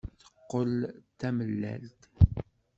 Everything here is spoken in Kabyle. Teqqel d tamellalt.